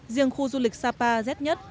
riêng khu du lịch sapa rét nhất